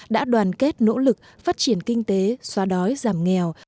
đã đoàn kết nỗ lực phát triển kinh tế xóa đói giảm nghèo